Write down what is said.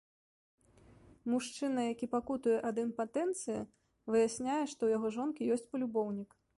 Мужчына, які пакутуе ад імпатэнцыі, выясняе, што ў яго жонкі ёсць палюбоўнік.